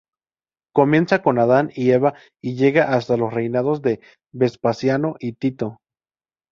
Comienza con Adán y Eva y llega hasta los reinados de Vespasiano y Tito